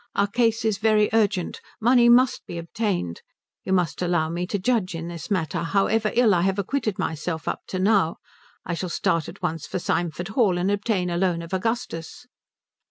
Our case is very urgent. Money must be obtained. You must allow me to judge in this matter, however ill I have acquitted myself up to now. I shall start at once for Symford Hall and obtain a loan of Augustus."